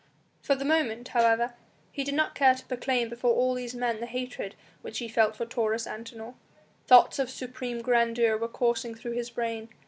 For the moment, however, he did not care to proclaim before all these men the hatred which he felt for Taurus Antinor. Thoughts of supreme grandeur were coursing through his brain.